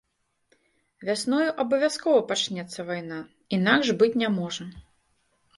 Вясною абавязкова пачнецца вайна, інакш быць не можа.